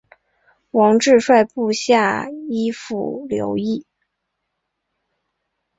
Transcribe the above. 王质率部下依附留异。